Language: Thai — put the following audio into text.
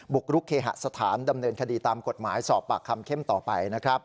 กรุกเคหสถานดำเนินคดีตามกฎหมายสอบปากคำเข้มต่อไปนะครับ